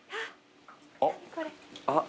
あっ！